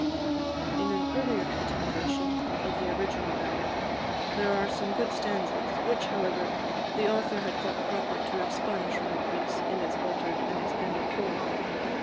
In an earlier continuation of the original ballad, there are some good stanzas, which, however, the author had thought proper to expunge from the piece in its altered and extended form.